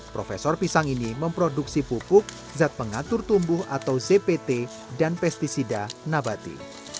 profesor pisang ini memproduksi pupuk zat pengatur tumbuh atau zpt dan pesticida nabati